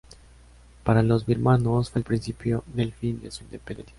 Para los birmanos, fue el principio del fin de su independencia.